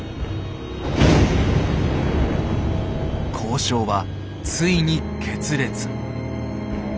交渉はついに決裂。